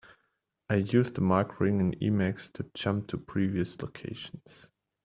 I use the mark ring in Emacs to jump to previous locations.